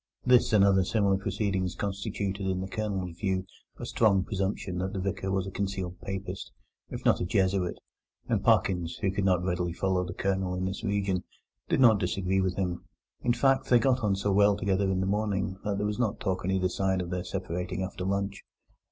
This and other similar proceedings constituted in the Colonel's view a strong presumption that the Vicar was a concealed Papist, if not a Jesuit; and Parkins, who could not very readily follow the Colonel in this region, did not disagree with him. In fact, they got on so well together in the morning that there was no talk on either side of their separating after lunch.